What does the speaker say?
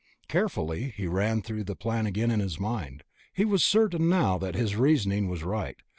Carefully, he ran through the plan again in his mind. He was certain now that his reasoning was right.